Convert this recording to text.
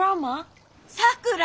さくら！